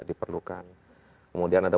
diperlukan kemudian ada